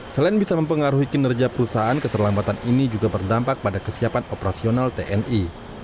selain bisa mempengaruhi kinerja perusahaan keterlambatan ini juga berdampak pada kesiapan operasional tni